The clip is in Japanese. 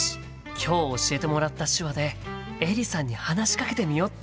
今日教えてもらった手話でエリさんに話しかけてみよっと！